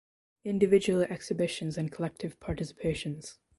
Individual exhibitions and collective participations